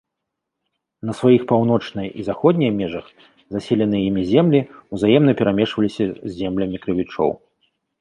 На сваіх паўночнай і заходняй межах заселеныя імі землі ўзаемна перамешваліся з землямі крывічоў.